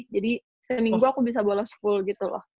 jadi seminggu aku bisa bolos full gitu loh